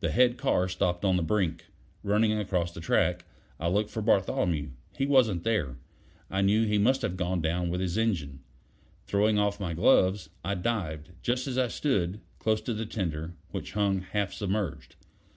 The head car stopped on the brink. Running across the track, I looked for Bartholomew. He wasn't there; I knew he must have gone down with his engine. Throwing off my gloves, I dived, just as I stood, close to the tender, which hung half submerged.